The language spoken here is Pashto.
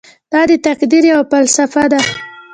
دا د تقدیر یوه فلسفه ده.